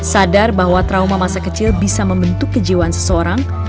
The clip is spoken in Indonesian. sadar bahwa trauma masa kecil bisa membentuk kejiwaan seseorang